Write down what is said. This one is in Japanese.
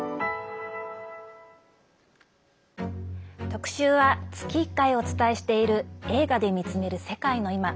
特集は、月１回お伝えしている「映画で見つめる世界のいま」。